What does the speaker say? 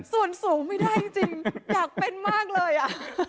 ส่วนสูงไม่ได้จริงอยากเป็นมากเลยอ่ะ